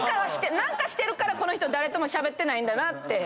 何かしてるからこの人誰ともしゃべってないんだなって。